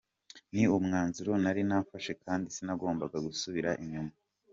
Ni umwanzuro nari nafashe kandi sinagombaga gusubira inyuma.